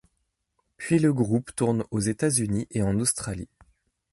Puis le groupe tourne aux États-Unis et en Australie.